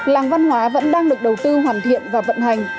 làng văn hóa vẫn đang được đầu tư hoàn thiện và vận hành